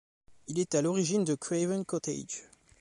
Il est à l'origine de Craven Cottage.